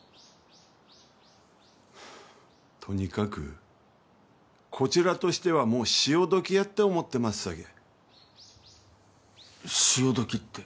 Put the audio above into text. とにかくこちらとしてはもう潮時やって思ってますさけ潮時って？